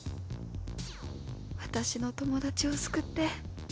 私の友達を救って。